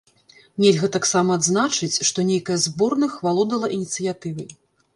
Нельга таксама адзначыць, што нейкая з зборных валодала ініцыятывай.